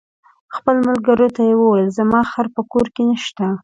خپل ملګري ته یې وویل: زما خر په کور کې نشته.